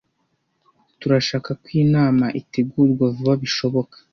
Turashaka ko inama itegurwa vuba bishoboka.